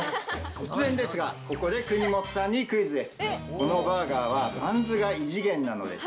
突然ですが、ここで国本さんにクイズです。